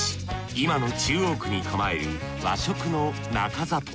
今の中央区に構える和食のなか里。